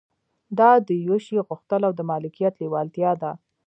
دا د يوه شي غوښتل او د مالکيت لېوالتيا ده.